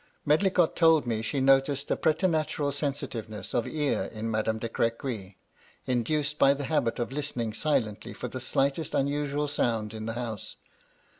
Medlicott told me she noticed a preternatural sensitiveness of ear ' in Madame de Crequy, induced by the habit of listen ing silently for the slightest unusual sound in the house.